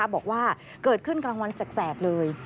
บอกว่าเกิดขึ้นกลางวันแสกเลย